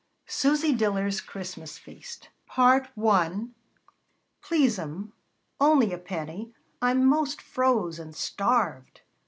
_"] SUSY DILLER'S CHRISTMAS FEAST "Please'm, only a penny. I'm most froze and starved!"